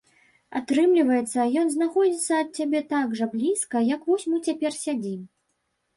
Атрымліваецца, ён знаходзіцца ад цябе так жа блізка, як вось мы цяпер сядзім.